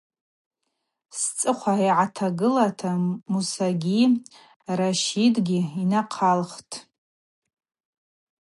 Сцӏыхъва йтагылата Мусагьи Ращидгьи нахъалтӏ.